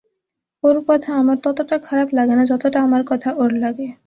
ওর কথা আমার ততটা খারাপ লাগে না যতটা আমার কথা ওর লাগে।